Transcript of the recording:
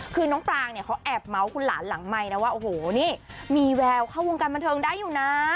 คือน้องปรางเนี่ยเขาแอบเมาส์คุณหลานหลังไมค์นะว่าโอ้โหนี่มีแววเข้าวงการบันเทิงได้อยู่นะ